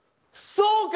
そうか？